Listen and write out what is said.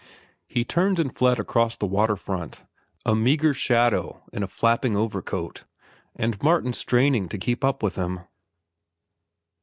He turned and fled across the water front, a meagre shadow in a flapping overcoat, with Martin straining to keep up with him.